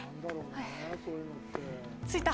着いた。